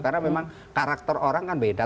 karena memang karakter orang kan beda